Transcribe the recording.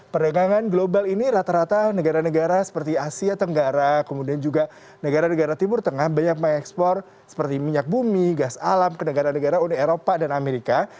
perdagangan global ini rata rata negara negara seperti asia tenggara kemudian juga negara negara timur tengah banyak mengekspor seperti minyak bumi gas alam ke negara negara uni eropa dan amerika